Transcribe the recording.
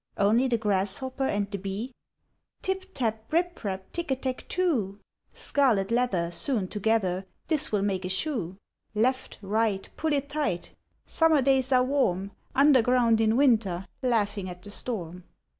Only the grasshopper and the bee? 'Tip tap, rip rap, Tick a tack too! Scarlet leather, sewn together, This will make a shoe. Left, right, pull it tight; Summer days are warm; Underground in winter, Laughing at the storm!'